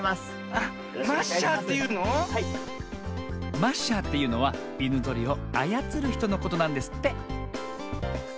マッシャーというのは犬ぞりをあやつるひとのことなんですって。